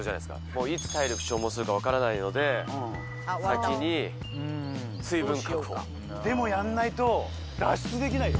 もういつ体力消耗するか分からないので先に水分確保でもやんないと脱出できないよ